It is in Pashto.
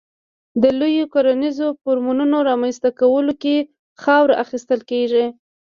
د لویو کرنیزو فارمونو رامنځته کولو کې خاوره اخیستل کېږي.